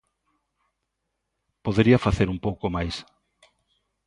Podería facer un pouco máis...